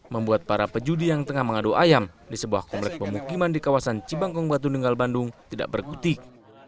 membuat para pejudi yang tengah mengadu ayam di sebuah komplek pemukiman di kawasan cibangkong batu ninggal bandung tidak berkutik